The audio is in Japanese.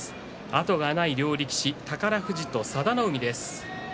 後がない両力士宝富士と佐田の海。